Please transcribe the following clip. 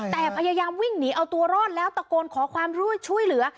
แต่พยายามวิ่งหนีเอาตัวรอดแล้วตะโกนขอความช่วยเหลือ